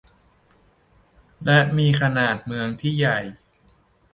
และมีขนาดเมืองที่ใหญ่